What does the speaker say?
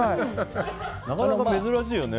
なかなか珍しいよね。